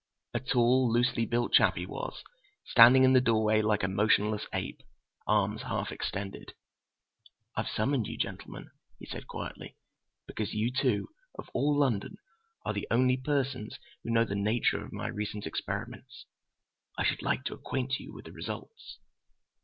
A tall, loosely built chap he was, standing in the doorway like a motionless ape, arms half extended. "I've summoned you, gentlemen," he said quietly, "because you two, of all London, are the only persons who know the nature of my recent experiments. I should like to acquaint you with the results!"